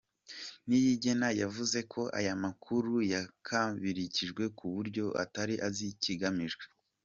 Niyigena yavuze ko aya makuru yakabirijwe, ku buryo atari azi ikigamijwe.